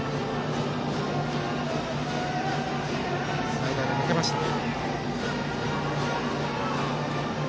スライダーが抜けました。